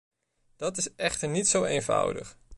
Dat is echter niet zo eenvoudig.